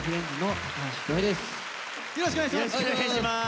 よろしくお願いします！